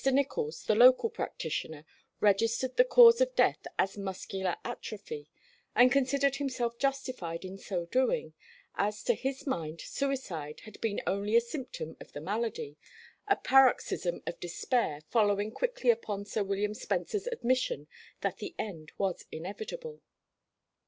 Nicholls, the local practitioner, registered the cause of death as muscular atrophy, and considered himself justified in so doing, as to his mind suicide had been only a symptom of the malady, a paroxysm of despair following quickly upon Sir William Spencer's admission that the end was inevitable.